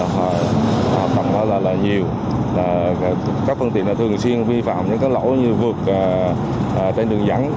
hầm đó là nhiều các phương tiện thường xuyên vi phạm những lỗ như vượt trên đường dẫn